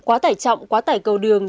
quá tải trọng quá tải cầu đường